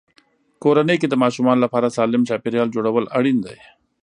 کورنۍ کې د ماشومانو لپاره سالم چاپېریال جوړول اړین دي.